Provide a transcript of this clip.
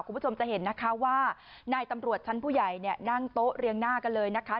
คุณผู้ชมจะเห็นนะคะว่านายตำรวจชั้นผู้ใหญ่เนี่ยนั่งโต๊ะเรียงหน้ากันเลยนะคะ